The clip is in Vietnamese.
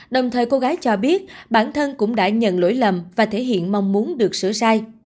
đồng thời cô gái cho biết bản thân cũng đã nhận lỗi lầm và thể hiện mong muốn được sửa sai